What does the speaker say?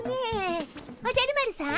おじゃる丸さん。